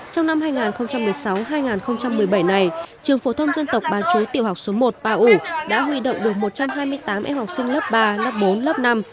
trong năm hai nghìn một mươi sáu hai nghìn một mươi bảy này trường phổ thông dân tộc bán chú tiểu học số một pa u đã huy động được một trăm hai mươi tám em học sinh lớp ba lớp bốn lớp năm